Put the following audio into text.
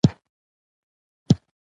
دا دود هم و چې د محکوم د بدن غړي غوڅ کړي.